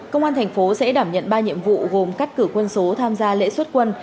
công an thành phố sẽ đảm nhận ba nhiệm vụ gồm cắt cử quân số tham gia lễ xuất quân